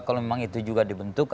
kalau memang itu juga dibentuk